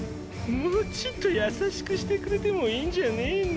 もうちっと優しくしてくれてもいいんじゃねぇの？